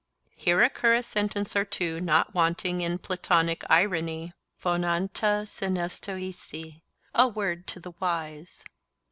Here occur a sentence or two not wanting in Platonic irony (Greek—a word to the wise).